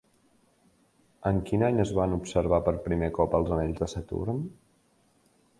En quin any es van observar per primer cop els anells de Saturn?